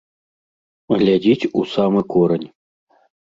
Глядзіць у самы корань.